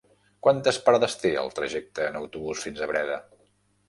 Quantes parades té el trajecte en autobús fins a Breda?